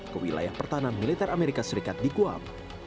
ke wilayah pertahanan militer amerika serikat di guam